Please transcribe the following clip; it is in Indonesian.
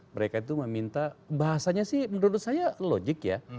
mereka itu meminta bahasanya sih menurut saya logik ya